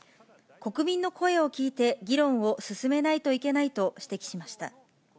国民の声を聞いて議論を進めないといけないと指摘しました。